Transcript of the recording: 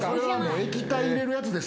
液体入れるやつです